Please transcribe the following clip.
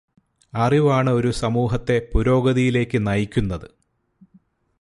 അറിവാണ് ഒരു സമൂഹത്തെ പുരോഗതിയിലേക്ക് നയിക്കുന്നത്.